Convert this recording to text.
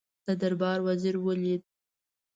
د دربار وزیر ولید.